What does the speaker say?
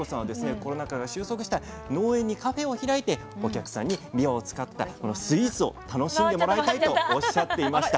コロナ禍が収束したら農園にカフェを開いてお客さんにびわを使ったこのスイーツを楽しんでもらいたいとおっしゃっていました。